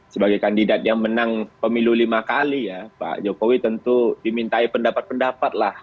sebagai kandidat yang menang pemilu lima kali ya pak jokowi tentu dimintai pendapat pendapat lah